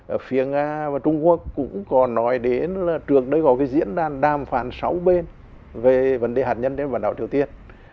ở phía nga và trung quốc cũng có nói đến là trước đây có cái diễn đàn đàm phản sáu bên về vấn đề hạt nhân trên bản đảo triều tiên